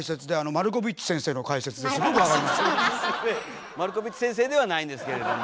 マルコヴィッチ先生ではないんですけれども。